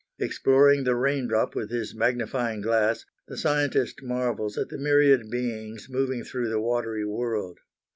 Exploring the raindrop with his magnifying glass, the scientist marvels at the myriad beings moving through the watery world.